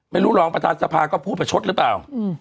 ไม่รู้รองประธานสภาก็พูดไปชดหรือเปล่า